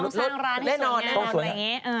ต้องสร้างร้านให้สวยง่ายแบบนี้